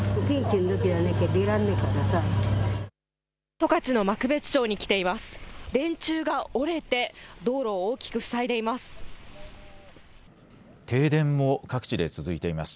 十勝の幕別町に来ています。